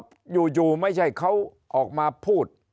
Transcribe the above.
แล้วอยู่ไม่ใช่เขาออกมาพูด